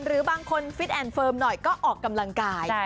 หรือบางคนฟิตแอนดเฟิร์มหน่อยก็ออกกำลังกาย